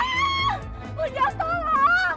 aku aku gak apa apa